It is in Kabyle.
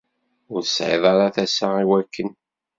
Ur tesεiḍ ara tasa i wakken.